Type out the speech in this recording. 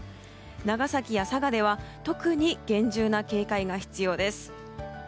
長崎や佐賀では特に厳重な警戒が必要です。